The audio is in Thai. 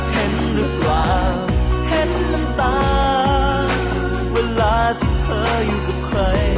เห็นหรือเปล่าเห็นน้ำตาเวลาที่เธออยู่กับใคร